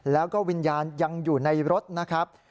แล้วก็วิญญาณยังอยู่ในรถนะครับ